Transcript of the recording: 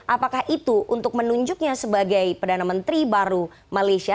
apakah itu untuk menunjuknya sebagai perdana menteri baru malaysia